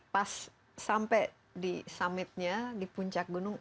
pas sampai di summitnya di puncak gunung